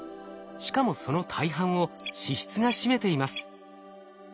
しかもその大半を脂質が占めています。